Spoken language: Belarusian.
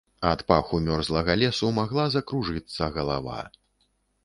Ад паху мёрзлага лесу магла закружыцца галава.